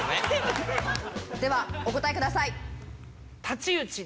ではお答えください。